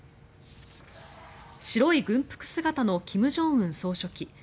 白い軍服姿の金正恩総書記。